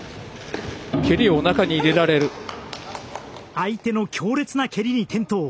相手の強烈な蹴りに転倒。